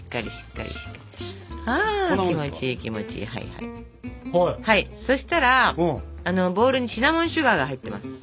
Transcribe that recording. はいそしたらボウルにシナモンシュガーが入っています。